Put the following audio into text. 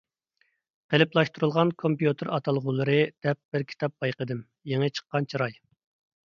«قېلىپلاشتۇرۇلغان كومپيۇتېر ئاتالغۇلىرى» دەپ بىر كىتاب بايقىدىم، يېڭى چىققان چىراي.